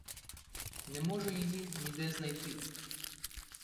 Не може її ніде знайти.